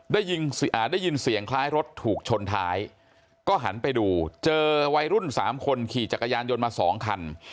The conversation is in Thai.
ได้ยินเสียงคล้ายรถถูกชนท้ายก็หันไปดูเจอวัยรุ่นสามคนขี่จักรยานยนต์มาสองคัน